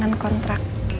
masih ada jet